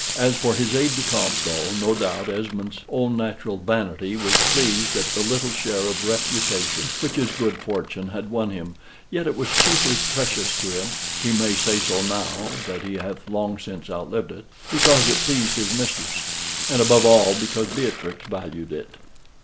As for his aide de camp, though, no doubt, Esmond's own natural vanity was pleased at the little share of reputation which his good fortune had won him, yet it was chiefly precious to him (he may say so, now that he hath long since outlived it,) because it pleased his mistress, and, above all, because Beatrix valued it.